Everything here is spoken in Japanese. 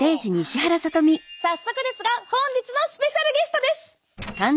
早速ですが本日のスペシャルゲストです。